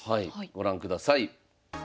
ご覧ください。